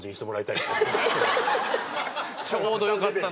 ちょうどよかったね。